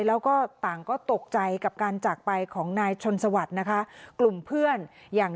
แล้วก็ต่างก็ตกใจกับการจากไปของนายชนสวัสดิ์นะคะกลุ่มเพื่อนอย่าง